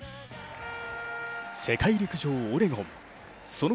世界陸上のオレゴン大会。